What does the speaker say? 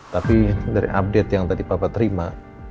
tapi dari update yang tadi bapak terima